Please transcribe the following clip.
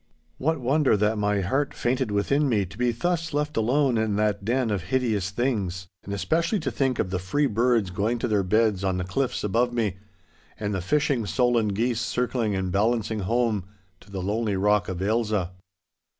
What wonder that my heart fainted within me to be thus left alone in that den of hideous things, and especially to think of the free birds going to their beds on the cliffs above me and the fishing solan geese circling and balancing home to the lonely rock of Ailsa.